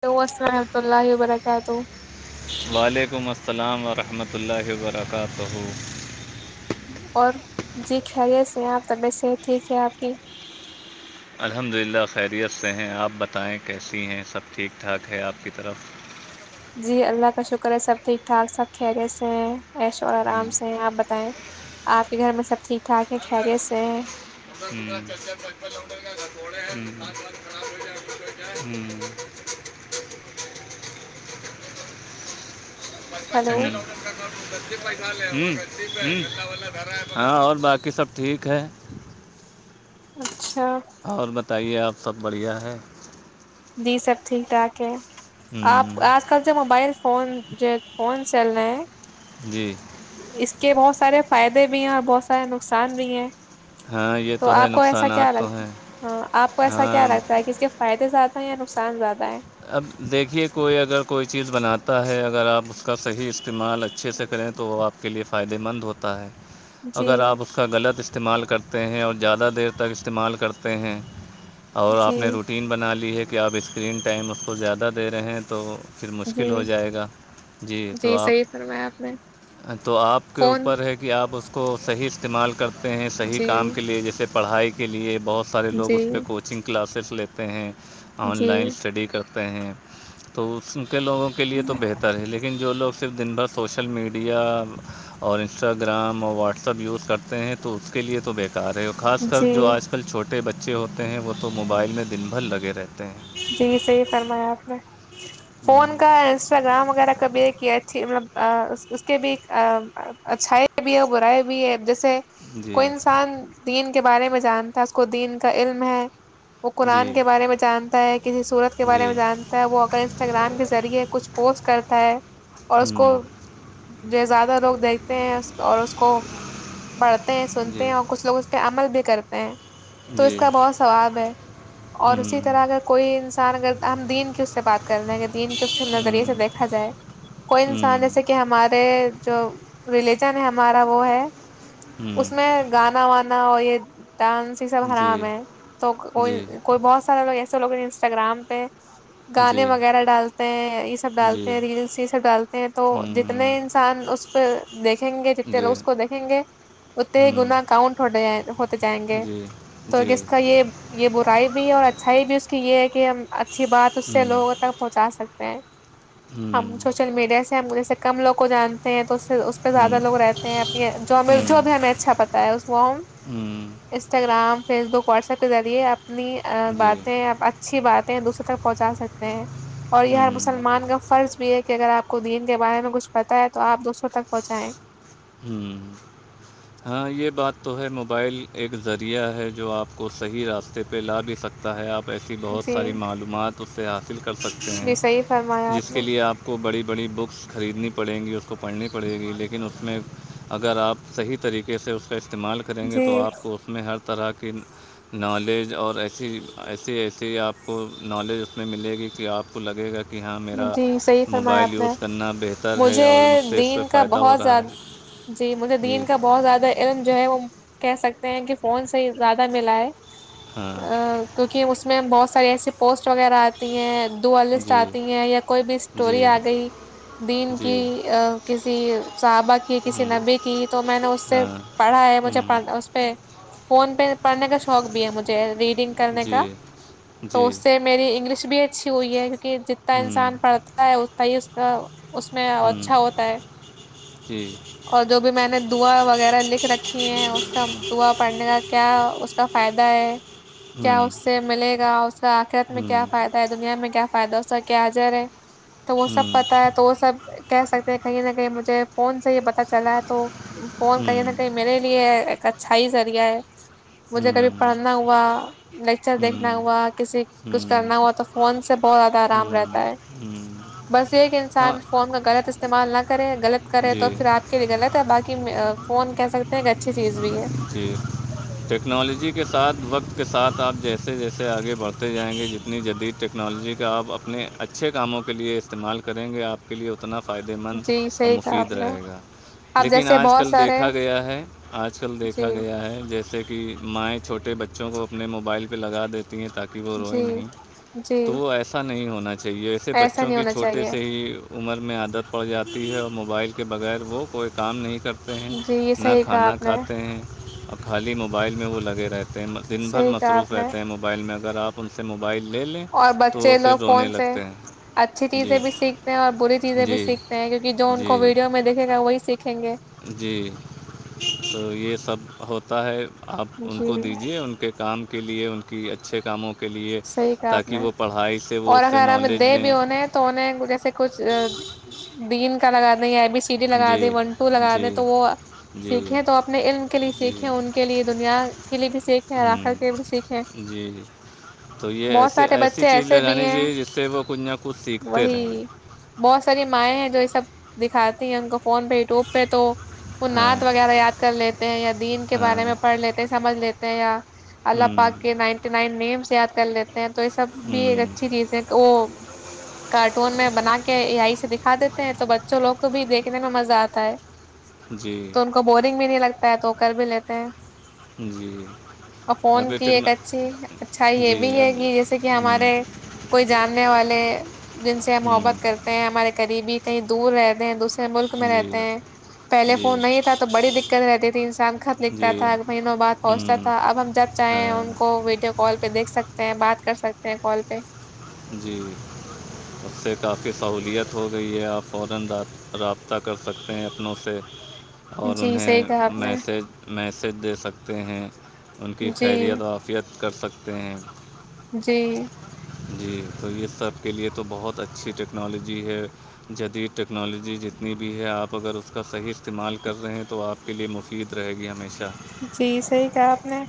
تو اسحمت اللہ ہی برا کاتہو وعلیکم السلام ورحمۃ اللہ ورکاتہ اور جی خیریت سے ہیں آپ طبیعت صحت ٹھیک ہے آپ کی الحمد للہ خیریت سے ہیں آپ بتائیں کیسی ہیں سب ٹھیک ٹھاک ہے آپ کی طرف جی اللہ کا شکر ہے سب ٹھیک ٹھاک سب خیریت سے ہیں عیش ع آرام ہم، سے ہے آپ بتائیں آپ کے گھر میں سب ٹھیک ٹھاک ہے خیریت سے ہیں [unintelligible] ہیلو چلو ہ ہ ہاں اور باقی سب ٹھیک ہے اچھا اور بتائیے آپ سب بڑھیا ہے جی سب ٹھیک ٹھاک ہے آپ ہم، آج آ کل جو موبائل فون جو ایک فون سل ہے جی اس کے بہت سارے فائدے بھی ہیں اور بہت سارے نقصان بھی ہیں ہاں یہ تو ہے آپ کو ایسا نقصانات کیا تو لگتا ہیں ہاں آپ کو ایسا کیا ہاں لگتا ہے کہ اس کے فائدے زیادہ ہیں یا نقصان زیادہ ہے اب دیکھیے کوئی اگر کوئی چیز بناتا ہے اگر آپ اس کا صحیح استعمال اچھے سے کریں تو وہ آپ کے لیے فائدے مند ہوتا ہے جی اگر آپ اس کا غلط استعمال کرتے ہیں اور زیادہ دیر تک استعمال کرتے ہیں اور آپ جی نے روٹین بنا لی ہے کہ آپ اسکرین ٹائم اس کو زیادہ دے رہے ہیں تو پھر جی مشکل ہو جائے گا جی تو آپ صحیح فرمایا آپ نے تو آپ کے فون اوپر ہے کہ آپ اس کو صحیح استعمال کرتے ہیں صحیح جی کام کے لیے جیسے پڑھائی کے لیے بہت سارے لوگ جی اس پہ کوچنگ کلاسز لیتے ہیں آن جی لائن ڈی کرتے ہیں تو کے لوگوں کے لیے تو بہتر ہے لن جو لو صرف دن بھر سوشل میڈیا اور انسٹاگرام اور واٹسپ یوز کرتے ہیں تو اس کے لیے تو بیکار ہے اور خاص کر جی جو آج کل چھوٹے بچے ہوتے ہیں وہ تو موبائل میں دن بھر لگے رہتے ہیں جی صحیح فرمایا آپ نے فون کا ہوں اس ا گاؤں وغیرہ کبھی ایک یہ اچھی مطلب اس کے بھی اچھایی بھی ہے اور برائے بھی ہے جیسے کوئی جی انسان دین کے بارے میں جانتا ہے اس کو دین کا علم ہے وہ قرآن جی کے بارے میں جان کسی صورت کے بارے جی میں جانتا ہے وہ اگر انسٹاگرام کے ذریعے کچھ پوسٹ کرتا ہے اور اس کو ہوں جو زیادہ لوگ دیکھتے ہیں اور اس کو بڑھتے ہیں سنتے جی ہیں اور کچھ لوگ اس پہ عمل بھی کرتے ہیں تو اس جی کا بہت ثواب ہے اور اسی ہوں طرح اگر کوئی انسان اگر ہم دین کی اس سے بات کر رہے ہیں اگر دین کے اس سے ہوں نظریے سے دیکھا جائے کوئی ہوں انسان جیسے کہ ہمارے جو ریلیجن ہے ہمارا وہ ہے اس میں ہوں گانا وانا اور یہ ڈانس سب جی حرام ہے تو کوئی جی کوئی بہت سارے لوگ ایسے لوگ ہیں انسٹاگرام پہ گانے جی وغیرہ ڈالتے ہیں یہ سب ڈالتے جی ہیں ریلس یہ سب ڈالتے ہیں تو ہوں جتنے انسان اس پہ دیکھیں گے جتنے لوگ جی اس کو دیکھیں گے اتتے ہوں گناہ کاؤنٹ ہو ہوتے جائیں گے جی تو جی جس کا یہ یہ برائی بھی ہے اور اچھائی بھی اس کی یہ ہے کہ ہم اچھی بات اس سے ہوں لوگ تک پہنچا سکتے ہیں ہوں ہم سوچ سوشل میڈیا سے ہم جیسے کم لوگ کو جانتے ہیں تو ہوں زیادہ لوگ رہتے ہیں اپنی ہوں جو بھی ہمیں اچھا بتائیں اس کو ہم ہوں Instagram Facebook WhatsApp کے زیعے اپنی جی باتیں اچھی باتیں دوسرے تک پہنچا سکتے ہیں اور یہ ہر ہوں مسلمان فرض بھی یہ ہے کہ اگر آپ کو دین کے بارے میں کچھ پتا ہے تو آپ دوسروں تک پہنچائیں ہوں ہاں یہ بات تو ہے موبائل ایک ذریعہ ہے جو آپ کو صحیح راستے پہ لا بھی سکتا ستا ہے آپ ایسی بہت جی ساری معلومات اس سے حاصل کر سکتے ہیں جی صحیح فرمایا آپ جس کے نے لیے آپ وہ بڑی بڑی بککس خریدنی پڑگی اسکو پڑنی پڑ گی لیکن اس میں اگر آپ صحیح طریقے سے اس کا استعمال کریں گے تو جی آپ کو اس میں ہر طرح کی نالج اور ایسی ایسی ایسی آپ کو نالج اس میں ملے گی کہ آپ کو لگے گا کہ کہ ہاں میرا جی صحیح فرمایا موبائل آپ نے یوز کرنا بہتر ہے مجھے اور مجھ سے اس دین سےہ کا فائدہ ہو بہت رہا ہے زیادہ جی مجھے دین کا بہت زیادہ علم جو ہے وہ کہہ سکتے ہیں کہ فون سے ہی زیادہ ملا ہے ہاں کیونکہ اس میں بہت ساریے ایسسی پوسٹ وغیرہ آتی ہیں دعا لسٹ جی آتی ہیں یا کوئی بھی اسٹوری جی آ گئی دین کی جی کسی صحابہ کی کسی ہوں نبی کی تو میں نے اس سے ہاں پڑھا ہے مجھے ہوں پھ اس پہ فون پہ پڑھنے کا شوق بھی ہے مجھے ریڈنگ کرنے کا جی تو جی اس سے میری انگلش بھی اچھی ہوئی ہے کیونکہ جتنا ہوں انسان پڑھتا ہے اتتا ہی اس کا اس میں ہوں اچھا ہوتا ہے جی اور جو بھی میں نے دعا وغیرہ لکھ رکھی ہے اس کا دعا پڑھنے کا کیا اس کا فائدہ ہے کیا ہوں اس سے ملے گا اس کا آخرت میں کیا ہاں فائدہ دنیا میں کیا فائدہ اس س کیا عجر ہے تو وہ سب پتا ہے تو وہ سب کہہ سکتے ہیں کہیں نہ کہیں مجھے فون سے یہ پتا چلا ہے تو فون کہیں نہ کہیں میرے لیے ایک اچھائی ہی ذریعہ ہے مجھے کبھی پڑھنا ہوا لیکچر دیکھنا ہوا کسی کچھ کرنا ہوا تو فون سے بہت زیادہ آرام رہتا ہے بسایک انسان فون کا غلط استعمال نہ کرے غلط کرے تو جی پھر آپ کے لیے غلط ہے بای فون کہہ سکتے ہیں ایک اچھی چیز بھی ہے جی ٹیکنالوجی کے ساتھ وقت کے ساتھ آپ جیسے جیسے آگے بڑھتے جائیں گے جتنی جدید ٹیکنالوجی کا آپ اپنے اچھے کاموں کے لیے استعمال کریں گے آپ کے لیے اتنا فائدے مند جی اور صحیح کہا مفید آپ نے رہے گا اب لیکن جیسے آج بہت کل سارے دیکھا گیا ہے آج کل جی دیکھا گیا ہے جیسے کہ مائیں چھوٹے بچوں کو اپنے موبائل پہ لگا دیتی ہیں تاکہ کہ وہ روئے جی نہیں جی تو وہ ایسا نہیں ہونا چاہیے ایسے ایسا بچوں نہیں کی ہونا چھوٹے چاہیے سے ہی عمر میں عادت پڑ جاتی ہے اور موبائل کے بغیر وہ کوئی کام نہیں کر ے ہیں جی یہ نہ صحیح کہا کھانا آپ نے کھاتے ہیں اور خالی موبائل میں وہ لگے رہتے ہیں دن بھر صحیح کہا آپ مصروف نے رہتے ہیں مو موبائل میں اگر آپ انن سے موبائل لے لیں اور تو بچے وہ پھر لوگ کون رونے سے لگتے ہیں اچھی چیزیں جی بھی سیکھتے ہیں اور بری چیزیں بھی جی سیکھتے ہیں کیونک کہ جو ان کو جی ویڈیو میں دیکھے گا وہی سیکھیں گے جی تو یہ سب ہوتا ہے آپ ان جی کو دیجیے ان کے کام کے لیے ان کی اچھے کاموں کے لیے صحیح کہا آپ تاکہ نے وہ پڑھائی سے وہ اور اس سے اگر ہمیں نالج دے بھی لیں انہیں تو انہیں جیسے کچھ دین کا لگاا ایب سی ڈی لگا جی دیں ون ٹو لگا دیں جی تو وہ جی سیکھیں تو اپنے علم کے لیے جی سیکھیں ان کے لیے دنیا کے لیے بھی سیکھیں آ کرر ہوں کے بھی سیکھیں جی ج تو یہ بہت ایسے سارے ایسی بچے چیز ایسے بھی لگانی ہیں چاہیے جس سے وہ کچھ نہ کچھ سیکھتے رہیں وہی بہت ساری مائیں ہیں جو یہ سب دکھاتی ہیں ان کو فون پہ یوٹیوب پہ تو وہ ہاں نعت وغیرہ یاد کر لیتے ہیں یا دین کے ہاں بارے میں پڑھ لیتے ہیں سمجھ لیتے ہیں یا اللہ ہوں پاک کے نائنٹی نائن نیمس یاد کر لیتے ہیں تو یہ سب بھی ایک ہوں اچھی چیز ہے کہ وہ کارٹون میں بنا کے یہیں سے دکھا دیتے ہیں تو بچوں لوگ کو بھی دیکھنے میں مزہ آتا ہے جی تو ان کو بورنگ بھی نہیں لگتا ہے تو کر بھی لیتے ہیں جی اور اب فون یہ کی ایک ٹیکنا اچھی اچھائی یہ جی بھی بھی اب ہے کہ جیسے کہ ہوں ہمارے کوئی جاننے والے جن سے ہوں محبت کر ہیں ہمارے قریبی کہیں دور رہتے ہیں دوسرے ملک میں جی رہتے ہیں پہلے جی فون نہیں تھا تو بڑی دقت رہتی تھی انسان خط لکھتا جی تھا مہینوں بعد پہنچتا ہوں تھا تو اب ہم جب چاہیں ہیں ہاں ان کو ویڈیو کال پہ دیکھ سکتے ہیں بات کر سکتے ہیں کال پہ [inaudible] رابطہ کر سکتے ہیں اپنوں سے اور جی انہیں صحیح کہا آپ نے میسج میسیج دے سکتے ہیں ان کی جی خیریت وافیت کر سکتے ہیں جی جی تو یہ سب کے لیے تو بہت اچھی ٹیکنالوجی ہے جدید ٹیکنالوجی جتنی بھی ہے آپ اگر اس کا صحیح استعمال کر رہے ہیں تو آپ کے لیے مفید رہے گی ہمیشہ جی صحی کہا آپ نے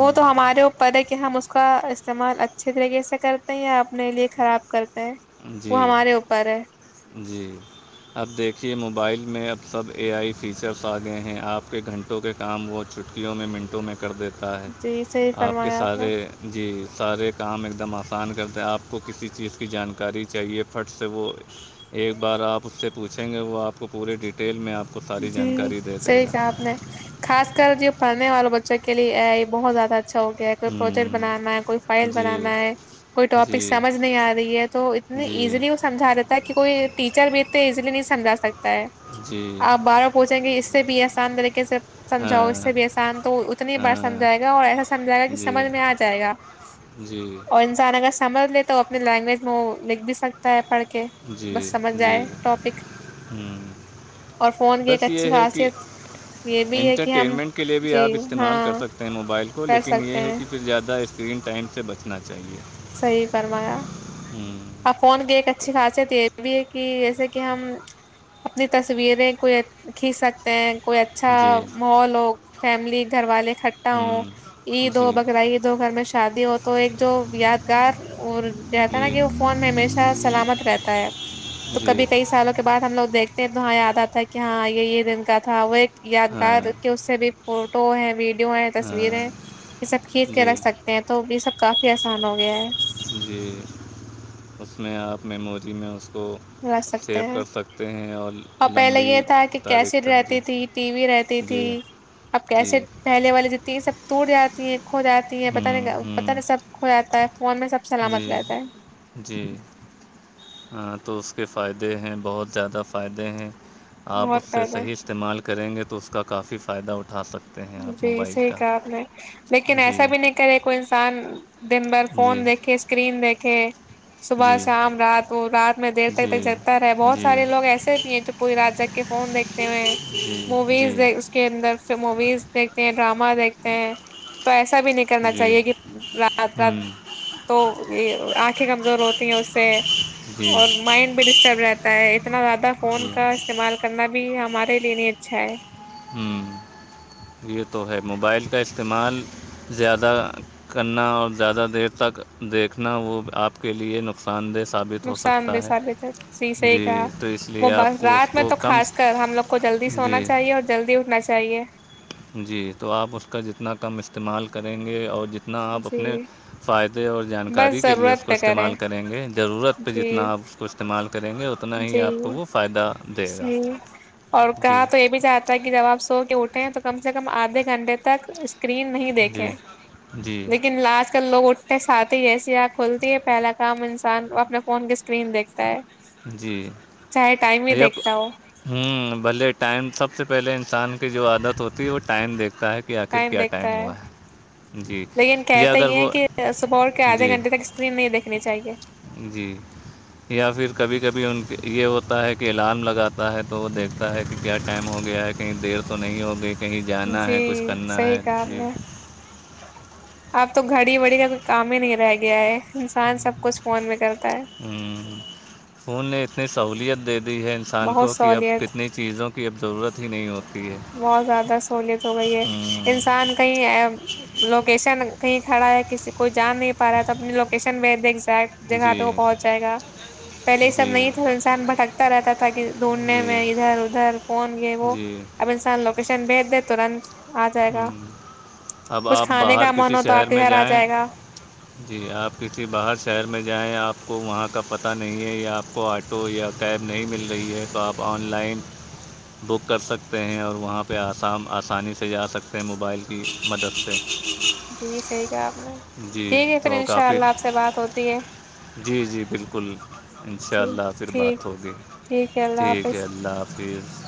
وہ تو ہمارے پت ہے کہ ہم اس کا استعمال اچھے طریقے سے کرتے ہیں یا اپنے لیے خراب کرتے ہیں وہ جی ہمارے اوپر ہے جی اب دیکھیے موبائل میں اب سب اے آئی فیچرس آگئے ہیں آپ کے گھنٹوں کے کام وہ چھٹکیوں میں منٹوں میں کر دیتا ہے جی صحیح آپ کے فرمایا نے سارے جی سارے کام ایک دم آسان کرتے ہیں آپ کو کسی چیز کی جان کاری چاہیے پٹ سے وہ ایک بار آپ اس سے پوچھیں گے وہ آپ کو پورے ڈیٹیل میں آپ کو ساری جانکاری دے دے گا نہیں خاص کر جو پڑھنے والوں بچوں کے لیے یہ بہت زیادہ اچھا ہوگ کوئی پروجیکٹ بنانا ہے کوئی فائل جی بنانا ہے کوئی ٹاپک جی سمجھ نہیں آ رہی ہے تو اتنی جی ایزلی اس سمجا دیتا ہے کہ کوئی ٹیچر بھی اتنے ایزیلی نہیں سمجھا سکتا ہے جی آپ بارہ پہنچیں گے اس سے بھی آسان طریقے سے سمجھاؤ اس ہاں سے بھی احسان تو اتنی بار ہاں سمجھائے گا اور ایسا سمجھائے گا کہ جی سمجھ میں آ جائے گا جی اور انسان اگز سمجھ لے تو اپنے لینگویج میں وہ لکھ بھی سکتا ہے پڑھ کے بس سمجھ جائے ٹاپک ہوں اور فون کی ایک اچھی خاصیت یہ بھی ہے کہ ہم انٹرٹینمنٹ کے لئے بھی جی آپ استعمال ہاں کر سکتے ہیں موبائل کو کر لیکن سکتے یہ ہے ہیں کہ پھر زیادہ اس اسکرین ٹائم سے بچنا چاہیے صحیح فرمایا ا فون کی ایک اچھی ہوں خاصیت یہ بھی ہے کہ جیسے کہ ہم اپنی تصویریں کو کھینچ سکتے ہیں کوئی اچھا جی محول ہو فیملی گھر والے اکٹھا ہو ہوں عید ہو جی بقرا عید ہو گھر میں شادی ہو تو ایک جو یاد گار اور رہتا ہے جی نا کہ وہ فون میں ہمیشہ سلامت رہتا ہے تو جی کبھی کئی سالوں کے بعد ہم لوگ دیکھتے ہیں تو ہاں یاد آتا ہے کہ ہاں یہ دن کا تھا وہ ایک ہاں یادگار کی اس سے بھی فوٹو ہے ویڈیو ہے ہاں تصویریں یہ سب کھینچ کے جی رکھ سکتے ہیں تو یہ سب کافی آسان ہو گیا ہے جی اس میں آپ میموری میں اس کو رکھ سکتے سیو ہیں کر سکتے ہیں اور پہلے یہ لمبی تھا کہ تاریخ کیسٹ تک جی رہتی تھی ٹی وی رہتی تھی جی اب جی کیسے پہلے والے دیتی ہے سب ٹوٹ جاتی ہیں کھو جاتی ہیں پت ہوں نہیں پتا ہوں نہیں سب کھو جاتا ہے فون میں سب جی سلامت رہتا ہے جی ہاں تو اس کے فائدے ہیں بہت زیادہ فائدے ہیں آپ اس بہت سے فائدہ ہے۔ صحیح استعمال کریں گے تو اس کا کافی فائدہ اٹھا سکتے ہیں آپ جی موبائل صحیح کا کہا آپ نے لیکن جی ایسا بھی نہیں کرے کوئی انسان دن بھر جی فون دیکھے اسکرین دیکھے صبح جی شام رات وہ رات میں دیر تک تک جی جگتا رہے بہت جی سارے لوگ ایسے بھی ہیں جو پوری رجہ کے فون دیکتے ہوئے جی موویز جی دیک کے اندر پھر موویز دیکھتے ہیں ڈراما دیکھتے ہیں تو ایسا بھی نہیںک کرنا جی چاہیے کہ رات رات ہوں تو یہ آنکھیں کمزور ہوتی ہیں اس سے جی اور مائنڈ بھی ڈسٹرب رہتا ہے اتنا زیادہ فون جی کا استعمال کرنا بھی ہمارے لیے نہیں اچھا ہے ہوں یہ تو ہے موبائل کا استعمال زیادہ کرنا اور زیادہ دیر تک دیکھنا وہ آپ کے لیے نقصان دہ ثابت ہو نقصان دہ سکتا ہے ثابت ہو صحیح جی کہا تو اس وہ لیے آپ کو اس رات میں کو تو کم خاص کر ہم لوگ کو جلدی سونا جی چاہیے اور جلدی اٹھنا چاہے جی تو آپ اس کا جتنا کم استعمال کریں گے اور جت اتنا آپ جی اپنے فائدے اور جانکاری بس کے لیے اس ضرورت کو پہ استعمال کریں گے ضرورت پہ جی جتنا آپ کو استعمال کریں گے اتنا ہی جی آپ کو وہ فائدہ دے گا جی اور جی کہا تو یہ بھی چاہتا کہ جب آپ سو کے اٹھے تو کم سے کم آدھے گھنٹے تک اسکرین نہیں دیکھیں جی جی لیکن لاسٹ [unintelligible] لوگ اٹھے ساتھ جیسے آنکھ کھلتی ہے پہلا کام انسان اپنے فون کی اسکرین دیکھتا ہے جی چاہے ٹائم ہی یا دیکھتا ہو ہوں بھلے ٹائم سب سے پہلے انسان کی جو عادت ہوتی ہے وہ ٹائم دیکھتا ہے کہ آخر ٹائم کیا دیکھتا ہے ہوا جی لیکن یا کہتے اگر یہ ہے وہ کہ صبح کے آدھے جی گھنٹے تک اسکرین نہیں دیکھنی چاہیے جی یا پھر کبھی کبھی ان کے یہ ہوتا ہے کہ الارم لگاتا ہے تو وہ دیکھتا ہے کہ کیا ٹائم ہو گیا ہے کہیں دیر تو نہیں ہوگی کہیں جانا ہے کچھ جی کرنا صحیح ہے کہا آپ جی نے اب تو گھڑی بڑی کا کوئی کام ہی نہیں رہ گیا ہے انسان سب کچھ فون میں کرتا ہے فون نے اتنی سہولیت دے دی ہے انسان بہت کو کہ اب سہولیت کتنی چیزوں کی اب ضرورت ہی نہیں ہوتی ہے بہت زیادہ سہولیت ہو گئی ہے ہوں انسان کہ لوکیشن کہیں کھڑا ہے کسی کوئی جا نہیں پا رہا ہے تو اپنی کشن وید ایگزٹ جگہ تھا وہ جی پہنچ جائے گا پہلے یہ سب جی نہیں تھا انسان بھٹکتا رہتا تھا کہ ڈونڈنے جی میں ادھر ادھر کون یہ وہ جی اپ سان لوکیشن بھیٹ دی دتاوں ر آ جائے گا ہوں اب کچھ آپ کھانے باہر کا من کسی ہو تو آپ شہر کے میں گھر آ جائیں جائے گا جی آپ کسی باہر شہر میں جائیں آپ کو وہاں کا پتہ نہیں ہے یا آپ آ کو آٹو یا کیب نہیں مل رہی ہے تو آپ آن لائن بک کر سکتے ہیں اور وہاں پہ آسام آسانی سے پہ جا سکتے ہیں موبائل کی مدد سے جی صحیح کہ آپ نے جی دیکھیک ہے پھر تو ان شاء کافی اللہ آپ سے بات ہوتی ہے جی جی بالکل ان شاء جی اللہ پھر ٹھیک بات ہوگی ٹھیک ہے اللہ ٹھیک حافظ ہے اللہ آاپ کہ